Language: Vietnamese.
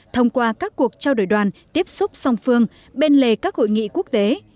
thông qua các cuộc trao đổi đoàn tiếp xúc song phương bên lề các hội nghị quốc tế